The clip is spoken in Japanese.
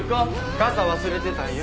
傘忘れてたよ。